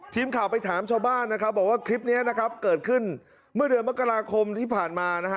ทีมข่าวไปถามชาวบ้านนะครับบอกว่าคลิปนี้นะครับเกิดขึ้นเมื่อเดือนมกราคมที่ผ่านมานะฮะ